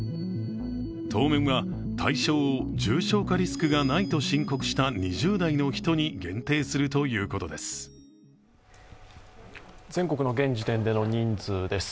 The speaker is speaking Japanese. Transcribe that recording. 当面は対象を重症化リスクがないと申告した２０代の人に限定するということです。